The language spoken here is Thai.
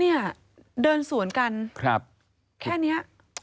เนี่ยเดินสวนกันแค่นี้